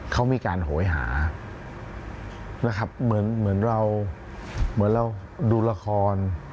เขามีการโหยหานะครับเหมือนเราดูละคร